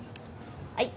はい。